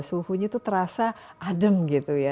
suhunya itu terasa adem gitu ya